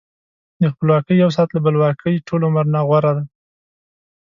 د خپلواکۍ یو ساعت له بلواکۍ ټول عمر نه غوره دی.